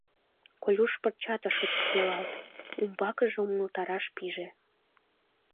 Колюш пырчат ыш ӧпкелалт, умбакыже умылтараш пиже: